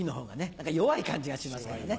何か弱い感じがしますからね。